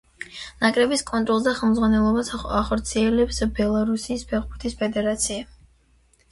ნაკრების კონტროლს და ხელმძღვანელობას ახორციელებს ბელარუსის ფეხბურთის ფედერაცია.